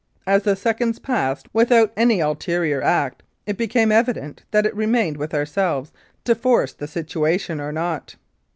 As the seconds passed without any ulterior act, it became evident that it remained with ourselves to force the situation or not.